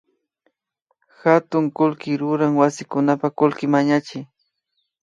Hatun kullki ruran wasikunapak kullki mañachik